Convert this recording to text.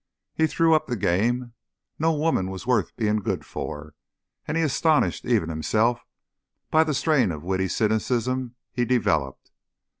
He threw up the game; no woman was worth being good for, and he astonished even himself by the strain of witty cynicism he developed.